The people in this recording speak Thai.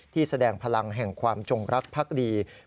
ที่แสดงพลังแห่งความจงรักพรรคดี